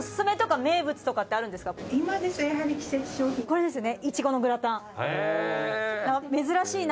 これですね。